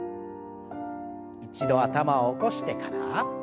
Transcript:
一度頭を起こしてから。